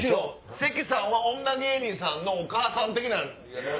関さんは女芸人さんのお母さん的な。